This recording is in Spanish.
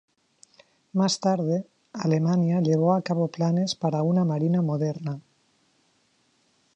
Más tarde, Alemania llevó a cabo planes para una marina moderna.